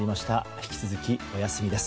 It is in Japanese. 引き続きお休みです。